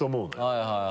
はいはい。